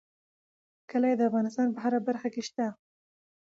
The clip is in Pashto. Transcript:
کلي د افغانستان په هره برخه کې شته.